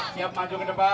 siap maju ke depan